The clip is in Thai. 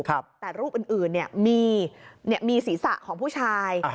แต่รูปอื่นมีศีรษะของผู้ชาย